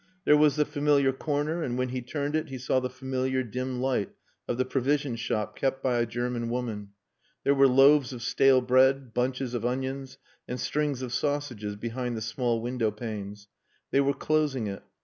There was the familiar corner; and when he turned it he saw the familiar dim light of the provision shop kept by a German woman. There were loaves of stale bread, bunches of onions and strings of sausages behind the small window panes. They were closing it.